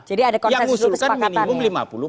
jadi ada konteks itu kesepakatan ya